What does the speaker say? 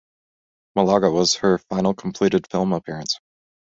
"Malaga" was her final completed film appearance.